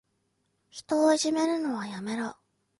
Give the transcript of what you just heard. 人をいじめるのはやめろ。